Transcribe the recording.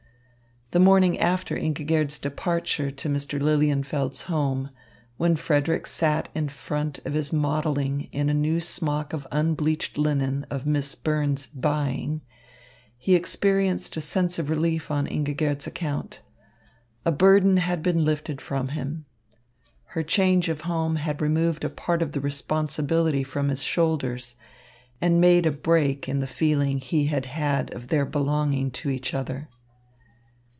The morning after Ingigerd's departure to Mr. Lilienfeld's home, when Frederick sat in front of his modelling in a new smock of unbleached linen of Miss Burns's buying, he experienced a sense of relief on Ingigerd's account. A burden had been lifted from him. Her change of home had removed a part of the responsibility from his shoulders and made a break in the feeling he had had of their belonging to each other.